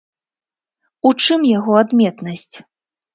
У чым яго адметнасць?